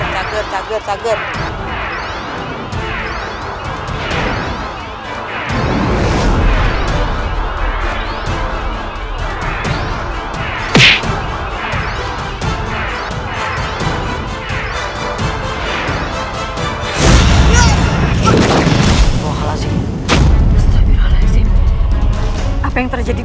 tuhan yang terbaik